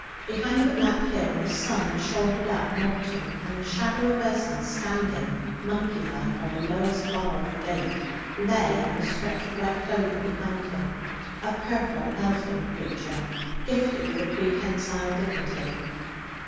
Behind the black hill the sun had shouldered up, molten, and the shadow of Vessons, standing monkey like on the lowest bar of the gate, lay on the stretch of wet clover behind him a purple, elfin creature, gifted with a prehensile dignity.